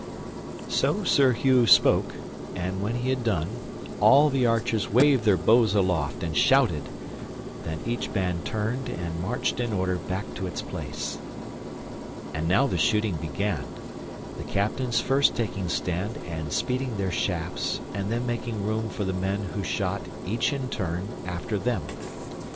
So Sir Hugh spoke, and when he had done all the archers waved their bows aloft and shouted. Then each band turned and marched in order back to its place. And now the shooting began, the captains first taking stand and speeding their shafts and then making room for the men who shot, each in turn, after them.